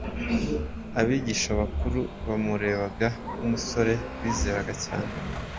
Abigisha bakuru bamurebaga nk’umusore bizeraga cyane